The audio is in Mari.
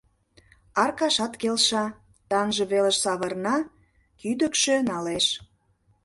— Аркашат келша, таҥже велыш савырна, кӱдыкшӧ налеш.